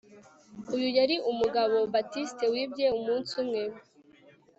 Uyu yari umugabo Baptiste wibye umunsi umwe